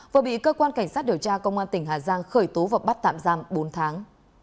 vừa bị cơ quan cảnh sát điều tra công an tỉnh hà giang khởi tố và bắt tạm giam bốn tháng